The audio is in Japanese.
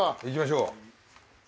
行きましょう。